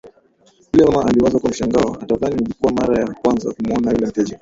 yule mama aliwaza kwa mshangao utadhani ilikuwa mara yake ya kwanza kumuona yule mteja